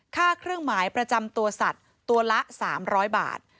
ค่าเครื่องหมายประจำตัวสัตว์ตัวละ๓๐๐บาท